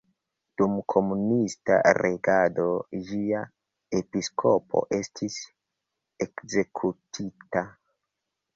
Dum komunista regado ĝia episkopo estis ekzekutita.